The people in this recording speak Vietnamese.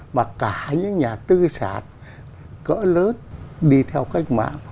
mà cả những nhà tư sản cỡ lớn đi theo cách mạng